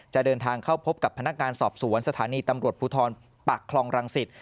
จะเดินทางเข้าพบกับพนักงานสอบสวนสถานีตำรวจภูทรปักคลองรังสิต